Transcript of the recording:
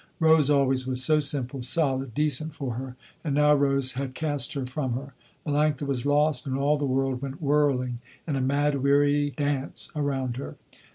Rose always was so simple, solid, decent, for her. And now Rose had cast her from her. Melanctha was lost, and all the world went whirling in a mad weary dance around her.